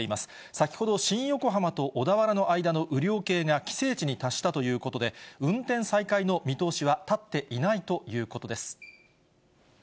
先ほど、新横浜と小田原の間の雨量計が規制値に達したということで、運転再開の見通しは立っていないということです。